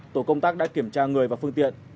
tổ công tác đã kiểm tra người và phương tiện